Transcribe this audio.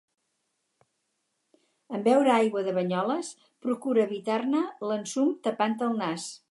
En beure aigua de Banyoles procura evitar-ne l'ensum tapant-te el nas.